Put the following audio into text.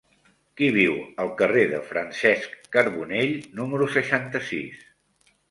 Qui viu al carrer de Francesc Carbonell número seixanta-sis?